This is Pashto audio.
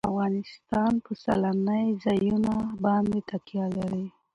افغانستان په سیلانی ځایونه باندې تکیه لري.